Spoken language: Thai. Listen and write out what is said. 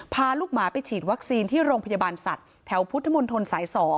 พาลูกหมาไปฉีดวัคซีนที่โรงพยาบาลสัตว์แถวพุทธมนตรสาย๒